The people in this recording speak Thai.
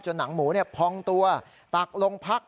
หนังหมูพองตัวตักลงพัก